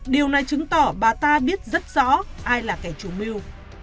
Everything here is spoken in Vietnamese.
điều này chứng tỏ bà ta biết rất rõ ai là kẻ chú miu